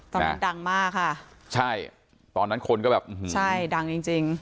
ตอนนั้นดังมากค่ะใช่ตอนนั้นคนก็แบบใช่ดังจริงจริง